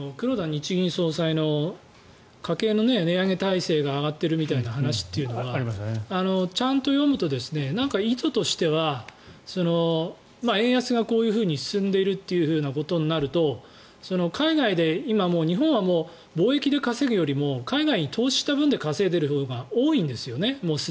日銀の黒田総裁の家計の値上げ耐性が上がってるみたいな話はちゃんと読むと意図としては円安がこういうふうに進んでるということになると海外で今、日本は貿易で稼ぐよりも海外に投資した分で稼いでいる分がもうすでに多いんですよね。